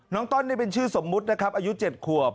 น้องต้นเนี่ยเป็นชื่อสมมุตินะครับอายุเจ็ดขวบ